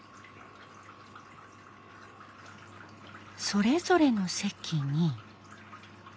それぞれの席に。